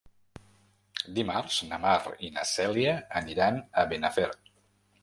Dimarts na Mar i na Cèlia aniran a Benafer.